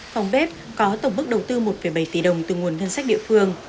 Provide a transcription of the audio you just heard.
phòng bếp có tổng bức đầu tư một bảy tỷ đồng từ nguồn ngân sách địa phương